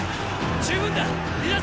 十分だっ！